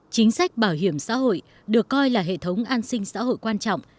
chính sách bảo hiểm xã hội được coi là hệ thống an sinh xã hội quan trọng